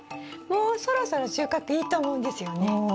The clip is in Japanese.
もうそろそろ収穫いいと思うんですよね。